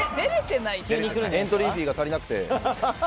エントリー費用が足りなくて。